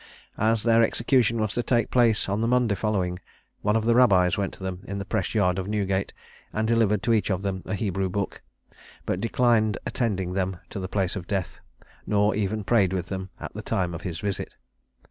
As their execution was to take place on the Monday following, one of the rabbis went to them in the press yard of Newgate, and delivered to each of them a Hebrew book; but declined attending them to the place of death, nor even prayed with them at the time of his visit.